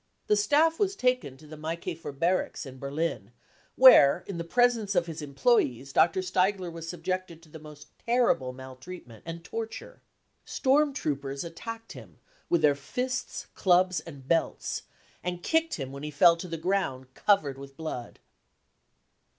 The staff was taken to the M&ikafer barracks in Berlin, where in the presence of his employees Dr. Steigler was subjected to the most terrible maltreatment THE CAMPAIGN AGAINST CULTURE 1 85 and torture. Storm troupers attacked him with their fists, clubs and belts, and kicked him when he fell to the ground, covered with blood.